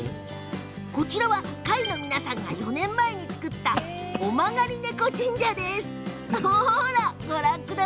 こちらは、会の皆さんが４年前に作った尾曲がり猫神社。